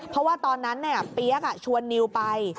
เพราะว่าตอนนั้นเปี๊ยกชวนนิวไป